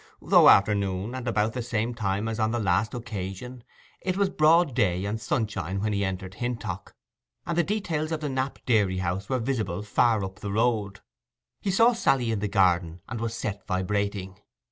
Though afternoon, and about the same time as on the last occasion, it was broad day and sunshine when he entered Hintock, and the details of the Knap dairy house were visible far up the road. He saw Sally in the garden, and was set vibrating.